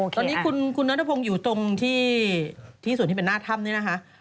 ตอนนี้คุณนัทพงศ์อยู่ตรงที่ส่วนที่เป็นหน้าถ้ำนี่นะคะ